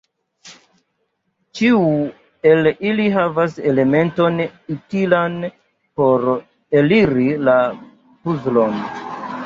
Ĉiu el ili havas elementon utilan por eliri la puzlon.